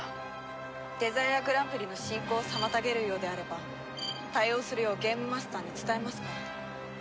デザイアグランプリの進行を妨げるようであれば対応するようゲームマスターに伝えますか？